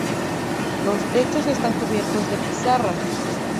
Los techos están cubiertos de pizarra.